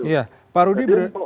iya pak rudi berarti